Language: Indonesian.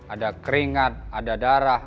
ada keringat ada darah